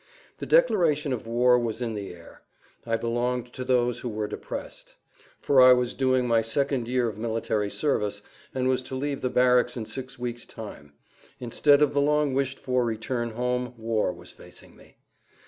The declaration of war was in the air. I belonged to those who were depressed. For I was doing my second year of military service and was to leave the barracks in six weeks' time. Instead of the long wished for return home war was facing me.